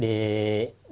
di kota makassar